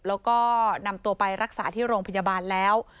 แล้วก็นำตัวไปรักษาที่โรงพยาบาลแล้ว